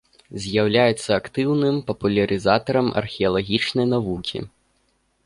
З'яўляецца актыўным папулярызатарам археалагічнай навукі.